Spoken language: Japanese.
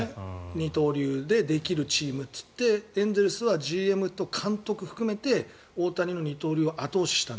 二刀流でできるチームということでエンゼルスはＧＭと監督含めて大谷の二刀流を後押ししたと。